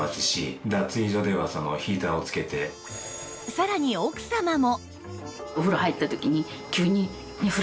さらに奥様も